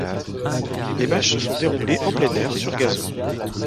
Les matchs se sont déroulés en plein air sur gazon.